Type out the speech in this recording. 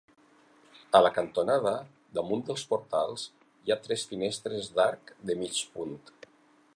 A la cantonada, damunt dels portals, hi ha tres finestres d'arc de mig punt.